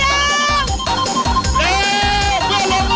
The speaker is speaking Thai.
เวลาดีเล่นหน่อยเล่นหน่อย